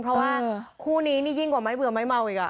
เพราะว่าคู่นี้นี่ยิ่งกว่าไม้เบื่อไม้เมาอีกอ่ะ